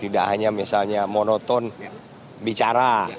tidak hanya misalnya monoton bicara